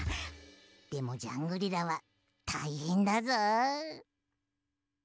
でもジャングリラはたいへんだぞ。